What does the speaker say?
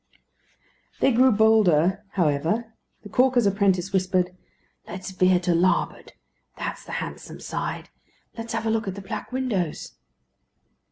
They grew bolder, however; the caulker's apprentice whispered, "Let's veer to larboard. That's the handsome side. Let's have a look at the black windows."